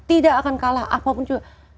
tidak akan kalah apapun juga